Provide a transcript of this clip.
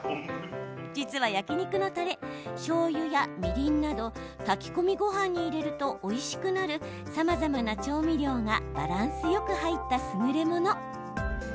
実は、焼き肉のたれしょうゆやみりんなど炊き込みごはんに入れるとおいしくなるさまざまな調味料がバランスよく入った、すぐれもの。